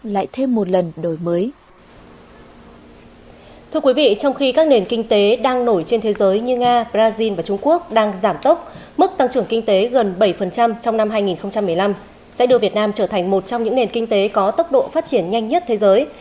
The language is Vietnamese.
là một trong những nền kinh tế có tốc độ phát triển nhanh nhất thế giới